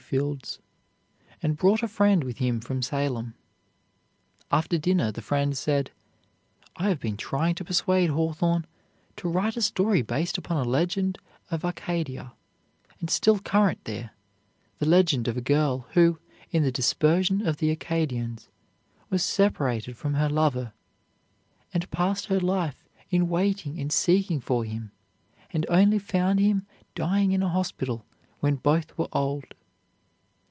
Fields, "and brought a friend, with him from Salem. After dinner the friend said, 'I have been trying to persuade Hawthorne to write a story based upon a legend of Acadia, and still current there, the legend of a girl who, in the dispersion of the Acadians, was separated from her lover, and passed her life in waiting and seeking for him, and only found him dying in a hospital when both were old.'